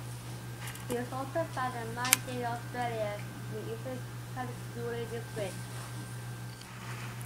It is also found and mined in Australia in the East Kalgoorlie district.